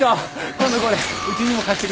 今度これうちにも貸してくださいよ！